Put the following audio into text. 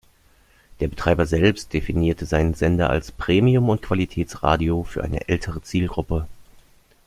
Der Betreiber selbst definierte seinen Sender als «Premium- und Qualitäts-Radio» für eine ältere Zielgruppe.